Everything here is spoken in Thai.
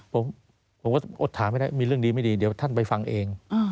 ผมก็อดถามไม่ได้มีเรื่องดีไม่ดีเดี๋ยวท่านไปฟังเอง